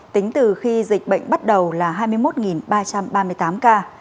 tính từ khi dịch bệnh bắt đầu là hai mươi một ba trăm ba mươi tám ca